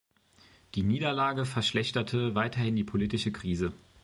Die Niederlage verschlechterte weiterhin die politische Krise.